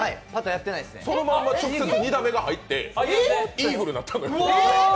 そのまま直接２打目が入ってイーグルだったのよ。